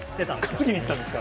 担ぎにいったんですか？